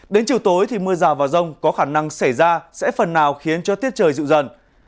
đến chiều tối thì mưa rào và rông có khả năng xảy ra sẽ phần nào khiến cho tiết trời dịu dần